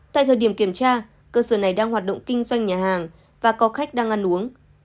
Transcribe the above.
tại thời điểm kiểm tra cơ sở này đang hoạt động kinh doanh nhà hàng và có khách đang ăn uống